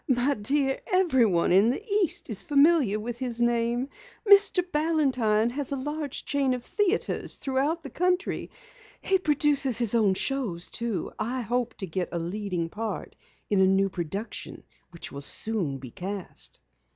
"My dear, everyone in the East is familiar with his name. Mr. Balantine has a large chain of theatres throughout the country. He produces his own shows, too. I hope to get a leading part in a new production which will soon be cast."